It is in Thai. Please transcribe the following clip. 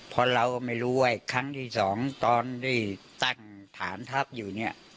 เพราะเราไม่รู้ว่าครั้งที่สองตอนที่ตั้งฐานทัพอยู่เนี่ย